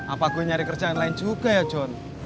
apa gua nyari kerjaan lain juga ya john